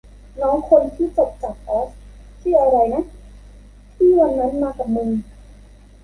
น้องคนที่จบจากออสชื่ออะไรนะ ที่วันนั้นมากับมึง